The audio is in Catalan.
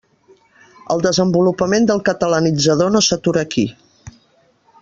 El desenvolupament del Catalanitzador no s'atura aquí.